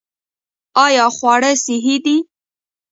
آیا خواړه صحي دي؟